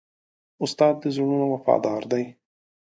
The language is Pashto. استاد د زړونو وفادار دی.